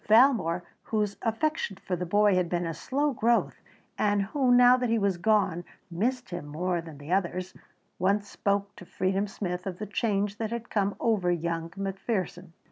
Valmore, whose affection for the boy had been a slow growth and who, now that he was gone, missed him more than the others, once spoke to Freedom Smith of the change that had come over young McPherson.